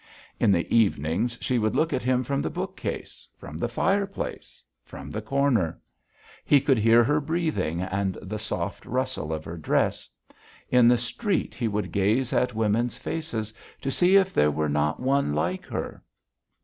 In the evenings she would look at him from the bookcase, from the fireplace, from the corner; he could hear her breathing and the soft rustle of her dress. In the street he would gaze at women's faces to see if there were not one like her....